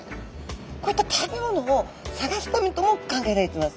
こういった食べ物を探すためとも考えられてます。